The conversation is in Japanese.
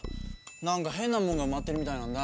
なんかへんなもんがうまってるみたいなんだ。